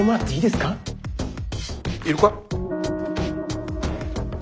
いるか？